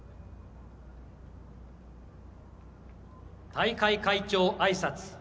大会会長あいさつ。